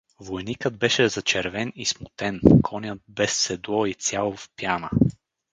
Войникът беше зачервен и смутен, конят без седло и цял в пяна.